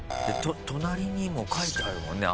隣にも書いてあるもんね